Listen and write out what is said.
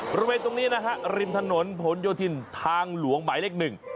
บริเวณตรงนี้นะฮะริมถนนผลโยธินทางหลวงหมายเลขหนึ่ง